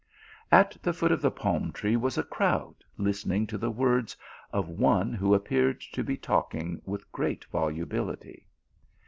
At the foot of the pnlm tree was a crowd listening to the words of one who appeared to be talking with great volubility.